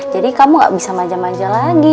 jadi kamu gak bisa maja maja lagi